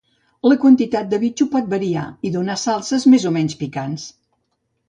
La quantitat de bitxo pot variar i donar salses més o menys picants.